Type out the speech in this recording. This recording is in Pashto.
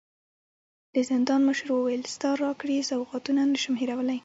د زندان مشر وويل: ستا راکړي سوغاتونه نه شم هېرولی.